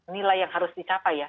nilai yang harus dicapai ya